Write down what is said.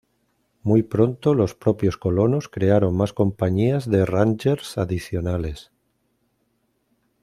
Muy pronto los propios colonos crearon más compañías de rangers adicionales.